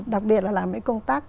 đặc biệt là làm cái công tác